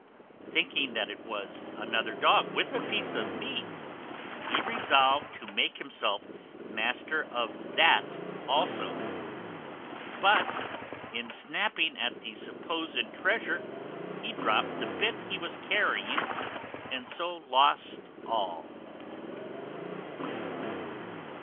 Thinking that it was another dog, with a piece of meat, he resolved to make himself master of that also; but in snapping at the supposed treasure he dropped the bit he was carrying, and so lost all.